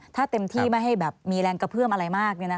ถ้าเต็มที่ไม่ให้แบบมีแรงกระเพื่อมอะไรมาก